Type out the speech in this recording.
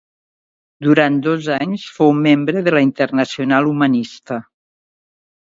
Durant dos anys fou membre de la Internacional Humanista.